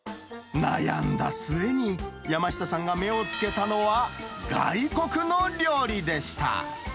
悩んだ末に、山下さんが目を付けたのは、外国の料理でした。